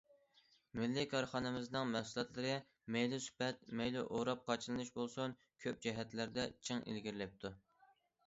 مىللىي كارخانىلىرىمىزنىڭ مەھسۇلاتلىرى مەيلى سۈپەت، مەيلى ئوراپ قاچىلىنىش بولسۇن كۆپ جەھەتلەردە جىق ئىلگىرىلەپتۇ.